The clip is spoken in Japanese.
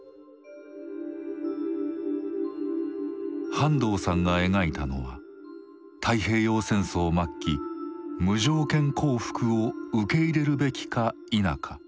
半藤さんが描いたのは太平洋戦争末期無条件降伏を受け入れるべきか否か。